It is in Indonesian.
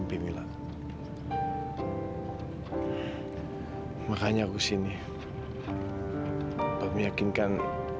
supaya kamu ketuaran kebahagiaan